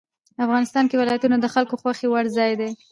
افغانستان کې ولایتونه د خلکو خوښې وړ ځای دی.